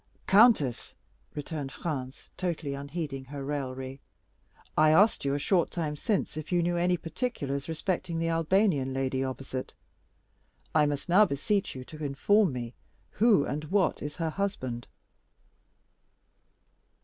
"Countess," returned Franz, totally unheeding her raillery, "I asked you a short time since if you knew any particulars respecting the Albanian lady opposite; I must now beseech you to inform me who and what is her husband?"